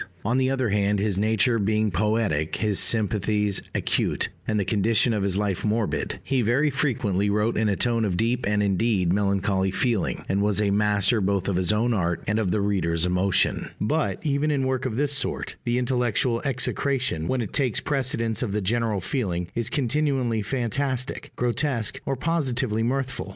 On the other hand, his nature being poetic, his sympathies acute, and the condition of his life morbid, he very frequently wrote in a tone of deep and indeed melancholy feeling, and was a master both of his own art and of the reader's emotion; but, even in work of this sort, the intellectual execration, when it takes precedence of the general feeling, is continually fantastic, grotesque, or positively mirthful.